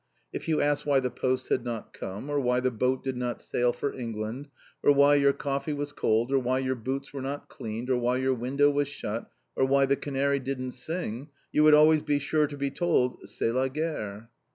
If you asked why the post had not come, or why the boat did not sail for England, or why your coffee was cold, or why your boots were not cleaned, or why your window was shut, or why the canary didn't sing, you would always be sure to be told, "c'est la guerre!"